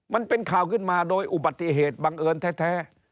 มันเป็นข่าวขึ้นมาโดยอุบัติเหตุบังเอิญแท้